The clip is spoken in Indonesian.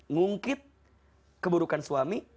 ngungkit keburukan suami